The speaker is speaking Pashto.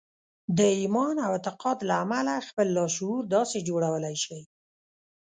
د ايمان او اعتقاد له امله خپل لاشعور داسې جوړولای شئ.